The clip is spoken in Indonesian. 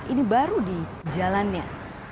ini baru di jalannya